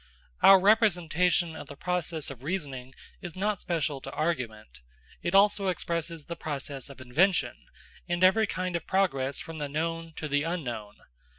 Our representation of the process of reasoning is not special to argument. It also expresses the process of invention, and every kind of progress from the known to the unknown.